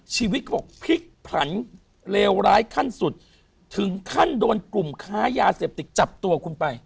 ชีวิตเขาบอกพลิกผลันเลวร้ายขั้นสุดถึงขั้นโดนกลุ่มค้ายาเสพติดจับตัวคุณไป